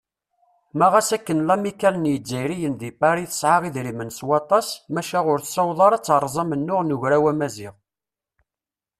Ma ɣas akken lamikkal n yizzayriyen di Pari tesɛa idrimen s waṭas, maca ur tessaweḍ ara ad teṛṛez amennuɣ n Ugraw Amaziɣ.